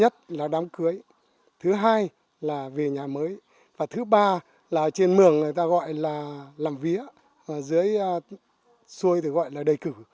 thứ hai là về nhà mới và thứ ba là trên mường người ta gọi là làm vía dưới xuôi thì gọi là đề cử